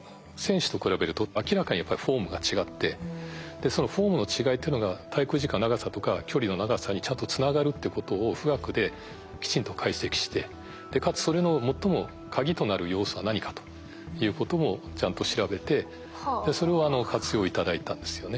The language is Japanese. でそのフォームの違いというのが滞空時間の長さとか距離の長さにちゃんとつながるってことを富岳できちんと解析してかつそれの最も鍵となる要素は何かということもちゃんと調べてそれを活用頂いたんですよね。